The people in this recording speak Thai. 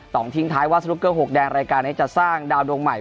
ต้องทิ้งท้ายว่าสนุกเกอร์๖แดงรายการนี้จะสร้างดาวดวงใหม่